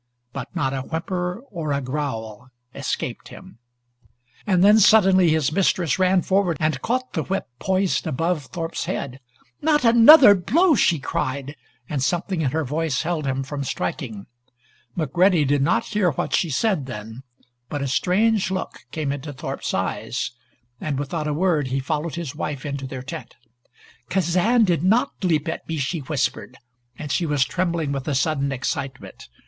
But not a whimper or a growl escaped him. [Illustration: "Not another blow!"] And then, suddenly, his mistress ran forward and caught the whip poised above Thorpe's head. "Not another blow!" she cried, and something in her voice held him from striking. McCready did not hear what she said then, but a strange look came into Thorpe's eyes, and without a word he followed his wife into their tent. "Kazan did not leap at me," she whispered, and she was trembling with a sudden excitement.